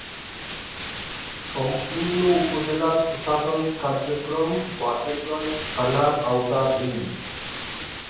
সম্পূর্ণ উপজেলার প্রশাসনিক কার্যক্রম বাকেরগঞ্জ থানার আওতাধীন।